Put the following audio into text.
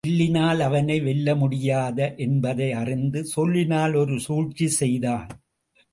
வில்லினால் அவனை வெல்ல முடியாது என்பதை அறிந்து சொல்லினால் ஒரு சூழ்ச்சி செய்தான்.